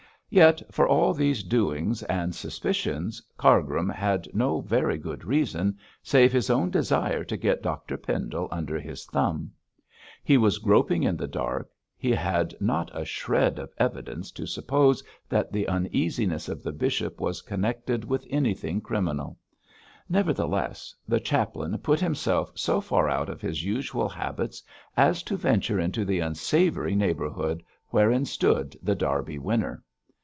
Yet, for all these doings and suspicions Cargrim had no very good reason, save his own desire to get Dr Pendle under his thumb. He was groping in the dark, he had not a shred of evidence to suppose that the uneasiness of the bishop was connected with anything criminal; nevertheless, the chaplain put himself so far out of his usual habits as to venture into the unsavoury neighbourhood wherein stood The Derby Winner.